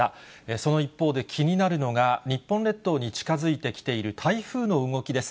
その一方で気になるのが日本列島に近づいてきている台風の動きです。